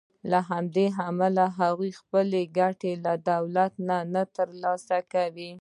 له همدې امله هغوی خپلې ګټې له دولت نه تر لاسه کوي.